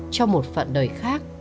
cho một phận đời khác